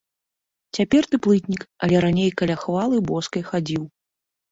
Цяпер ты плытнік, але раней каля хвалы боскай хадзіў.